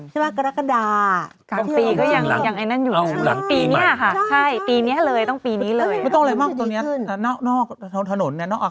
ใช่ไหมกรกฎา